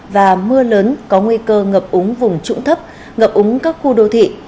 và mưa lớn có nguy cơ ngập úng vùng trũng thấp ngập úng các khu đô thị